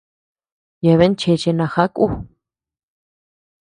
Yeabean cheche najaʼa kú.